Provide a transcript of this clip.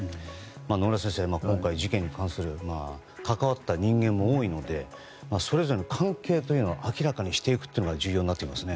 野村先生、今回の事件に関わった人間も多いのでそれぞれの関係を明らかにしていくのが重要になってきますね。